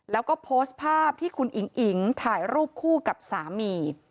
แล้วก็โพสต์ภาพที่คุณอิ๋งอิ๋งถ่ายรูปคู่กับสามี